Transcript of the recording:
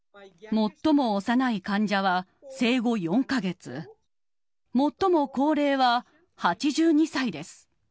最も幼い患者は生後４か月、最も高齢は８２歳です。